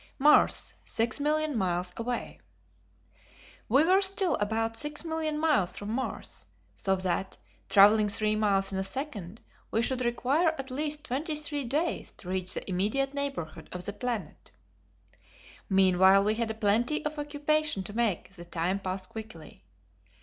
Mars 6,000,000 Miles Away. We were still about 6,000,000 miles from Mars, so that, travelling three miles in a second, we should require at least twenty three days to reach the immediate neighborhood of the planet. Meanwhile we had a plenty of occupation to make the time pass quickly.